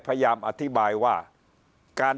พักพลังงาน